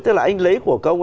tức là anh lấy của công